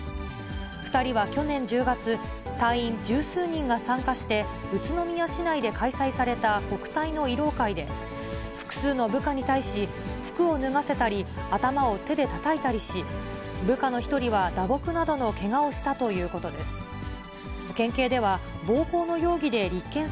２人は去年１０月、隊員十数人が参加して、宇都宮市内で開催された国体の慰労会で、複数の部下に対し、服を脱がせたり、頭を手でたたいたりし、部下の１人は打撲などのけがをしたということです。